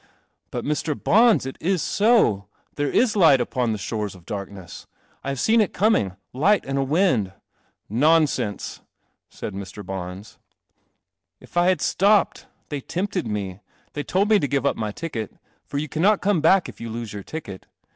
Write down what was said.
" But Mr. Bons, it is so. There is light upon the shores of darkness. I have seen it coming. Light and a wind." " Nonsense," said Mr. Bons. " If I had stopped ! They tempted me. They told me to give up my ticket — for you cannot come back if you lose your ticket.